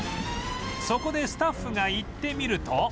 そこでスタッフが行ってみると